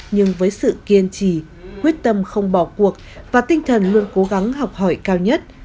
nhưng với sự kiên trì quyết tâm không bỏ cuộc và tinh thần luôn cố gắng học hỏi cao nhất